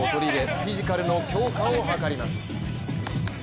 フィジカルの強化を図ります。